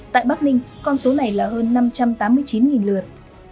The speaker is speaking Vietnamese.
tại bắc ninh con số này là hơn năm trăm tám mươi chín lượt